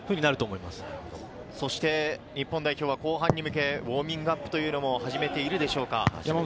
日本代表は後半に向け、ウオーミングアップというのも始めているでしょうか。